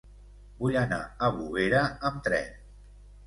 Vull anar a Bovera amb tren.